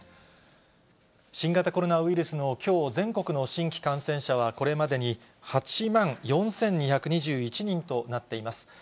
新型コロナウイルスのきょう全国の新規感染者は、これまでに８万４２２１人となっています。